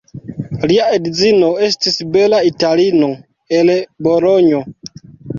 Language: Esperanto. Lia edzino estis bela Italino el Bolonjo.